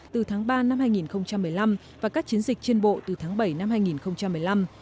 từ tháng ba năm hai nghìn một mươi năm và các chiến dịch trên bộ từ tháng bảy năm hai nghìn một mươi năm